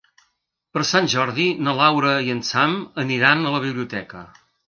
Per Sant Jordi na Laura i en Sam aniran a la biblioteca.